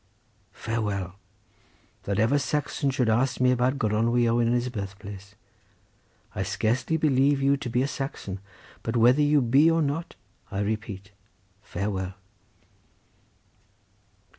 Farewell! That ever Saxon should ask me about Gronwy Owen, and his birth place! I scarcely believe you to be a Saxon, but whether you be or not, I repeat farewell."